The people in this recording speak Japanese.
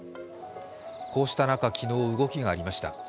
こうした中、昨日、動きがありました。